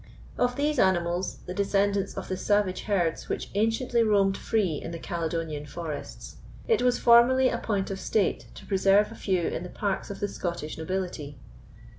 Of these animals, the descendants of the savage herds which anciently roamed free in the Caledonian forests, it was formerly a point of state to preserve a few in the parks of the Scottish nobility.